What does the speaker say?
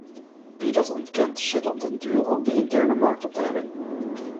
Wie dat ontkent zet op den duur ook de interne markt op de helling.